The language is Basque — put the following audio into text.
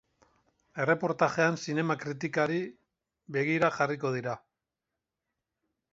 Erreportajean zinema kritikari begira jarriko dira.